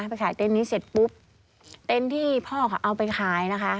ไปขายเต็นต์นี้เสร็จปุ๊บเต็นต์ที่พ่อค่ะเอาไปขายนะคะ